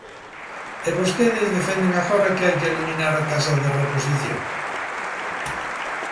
E vostedes defenden agora que hai que eliminar a taxa de reposición.